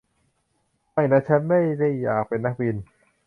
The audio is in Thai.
ไม่นะฉันไม่ได้อยากเป็นนักบิน